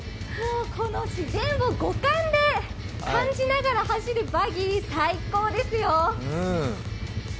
この自然を五感で感じながら走るバギー最高ですよ。